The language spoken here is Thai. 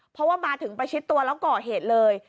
เพราะว่ามาถึงประชิดตัวแล้วก่อเหตุเลย